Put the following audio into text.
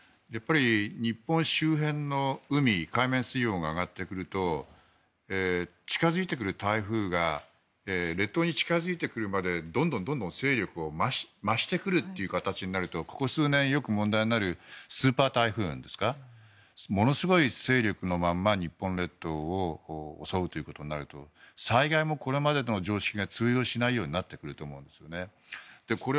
日本周辺の海海面水温が上がってくると近付いてくる台風が列島に近付いてくるまでにどんどん勢力を増してくるという形になるとここ数年よく問題になるスーパー台風ですかものすごい勢力のまま日本列島を襲うということになると災害もこれまでの常識が通用しないことになってくると思うんですね。